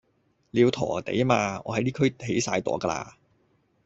你要陀地吖嘛，我喺呢區起曬朵㗎啦